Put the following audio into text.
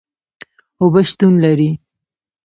اوبه شتون لري